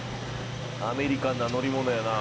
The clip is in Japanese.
アメリカンな乗り物やな。